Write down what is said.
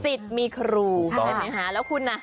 สิทธิ์มีครูแล้วคุณนะ